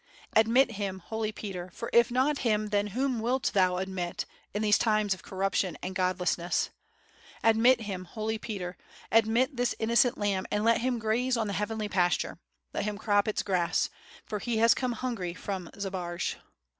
Admit him, Holy Peter, for if not him then whom wilt thou admit, in these times of corruption and god lessness? Admit him, Holy Peter, admit this innocent lamb and let him graze on the heavenly pasture; let him crop its grass, for he has come hungry from Zbaraj.